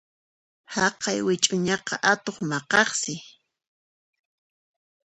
Chaqay wik'uñaqa atuq maqaqsi.